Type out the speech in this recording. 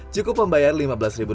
cukup membayar lima belas rupiah